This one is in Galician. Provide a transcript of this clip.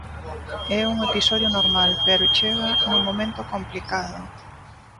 É un episodio normal, pero chega nun momento complicado.